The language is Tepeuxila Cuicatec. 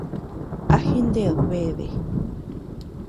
¿A jined beade?